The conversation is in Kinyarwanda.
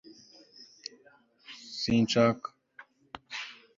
Sinshaka